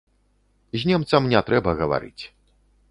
З немцам не трэба гаварыць.